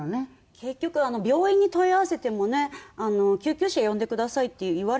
結局病院に問い合わせてもね「救急車呼んでください」って言われたのね。